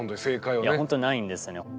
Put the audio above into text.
いや本当にないんですね。